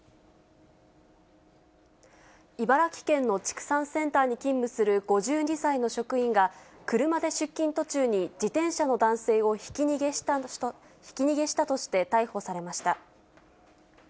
茨城県の畜産センターに勤務する５２歳の職員が、車で出勤途中に、自転車の男性をひき逃げしたとして逮捕されました。